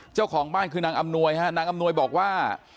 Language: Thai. เจ้าของบ้านคือนางอำนวยฮะนางอำนวยบอกว่า